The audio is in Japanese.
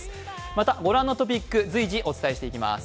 またご覧のトピック随時お伝えしていきます。